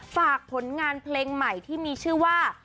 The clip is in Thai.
ฝากผลงานเพลงใหม่ที่มีชื่อว่า